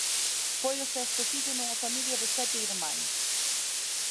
Foi o sexto fillo nunha familia de sete irmáns.